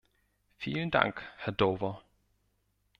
Vielen Dank, Herr Dover.